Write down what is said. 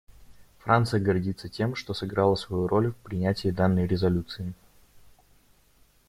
Франция гордится тем, что сыграла свою роль в принятии данной резолюции.